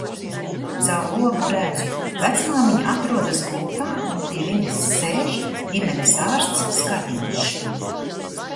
Caur logu redzu, vecmāmiņa atrodas gultā un pie viņas sēž ģimenes ārsts Skadiņš.